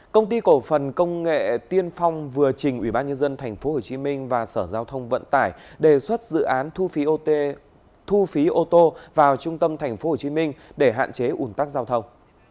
công ty cổ phần công nghệ tiên phong vừa trình ủy ban nhân dân tp hcm và sở giao thông vận tải đề xuất dự án thu phí ô tô vào trung tâm tp hcm để hạn chế ủn tắc giao thông